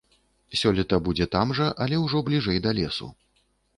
Сёлета будзе там жа, але ўжо бліжэй да лесу.